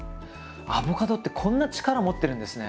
アボカドってこんな力持ってるんですね！